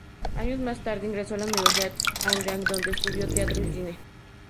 Años más tarde, ingresó a la Universidad Hanyang donde estudió teatro y cine.